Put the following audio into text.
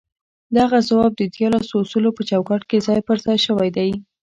دغه ځواب د ديارلسو اصولو په چوکاټ کې ځای پر ځای شوی دی.